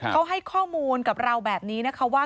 เขาให้ข้อมูลกับเราแบบนี้นะคะว่า